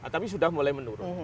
tapi sudah mulai menurun